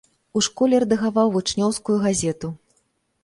У школе рэдагаваў вучнёўскую газету.